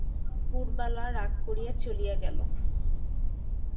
পুরবালা রাগ করিয়া চলিয়া গেল।